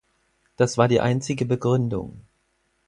Das war die einzige Begründung.